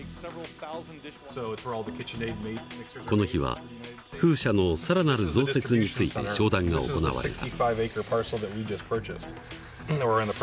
この日は風車の更なる増設について商談が行われた。